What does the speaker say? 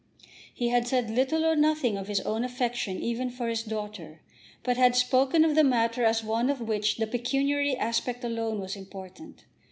He had said little or nothing of his own affection even for his daughter, but had spoken of the matter as one of which the pecuniary aspect alone was important.